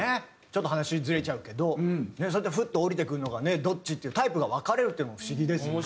ちょっと話ずれちゃうけどそうやってふっと降りてくるのがどっちっていうタイプが分かれるっていうのも不思議ですよね。